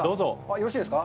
よろしいですか。